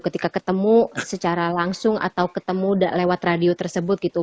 ketika ketemu secara langsung atau ketemu lewat radio tersebut gitu